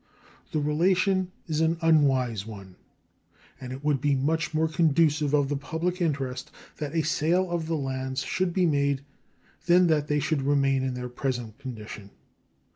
The relation is an unwise one, and it would be much more conducive of the public interest that a sale of the lands should be made than that they should remain in their present condition.